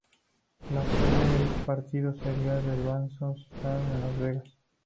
La sede de ese partido seria el Sam Boyd Stadium en Las Vegas.